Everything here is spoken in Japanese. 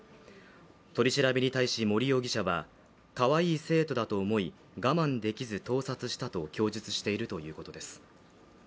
取り調べに対し森容疑者はかわいい生徒だと思い、我慢できず盗撮したと供述しているということです。